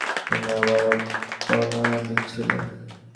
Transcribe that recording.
তুমি আবারও বর্ণনা দিচ্ছিলে।